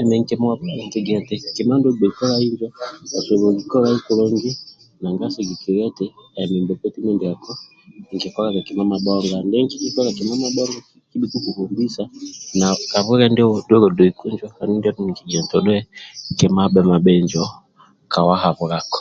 emi nkimuhabhula nikigia eti kima ndio ogbei kolai ijo ko gbei koli kulungi nanga sigikilia eti emi mbokoti mindiako nkikolaga kima mabhonga ambe ndie kikolaga kima mabonga kibi kukubhombisa na ka bwile ndio odoiku njo andulu ndiadhu ninikigia nti kima abhe bhinjo kowa habulako